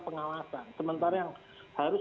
pengawasan sementara yang harus